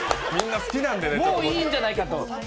もういいんじゃないかと。